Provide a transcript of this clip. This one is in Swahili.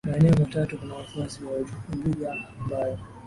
maeneo matatu kuna wafuasi wa Ubuddha ambayo